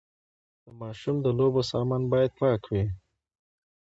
د ماشوم د لوبو سامان باید پاک وي۔